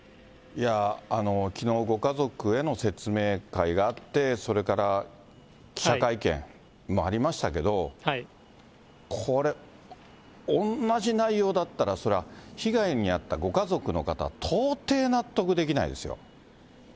きのう、ご家族への説明会があって、それから記者会見もありましたけど、これ、おんなじ内容だったら、そりゃ、被害に遭ったご家族の方、到底納得できないですよ。